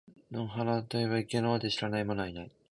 禅智内供の鼻と云えば、池の尾で知らない者はない。